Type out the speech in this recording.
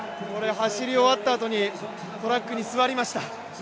走り終わったあとにトラックに座りました。